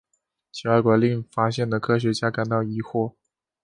其外观令发现的科学家感到疑惑。